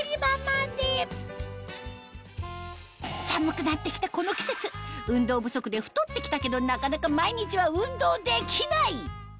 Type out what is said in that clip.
寒くなって来たこの季節運動不足で太って来たけどなかなか毎日は運動できない！